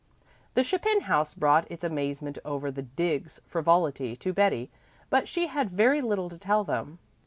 The Chapin house brought its amazement over the "dig's" frivolity to Betty, but she had very little to tell them.